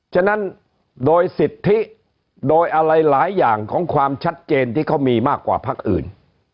ฉะนั้นโดยสิทธิโดยอะไรหลายอย่างของความชัดเจนที่เขามีมากกว่าพักอื่น